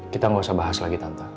kita gak usah bahas lagi tentang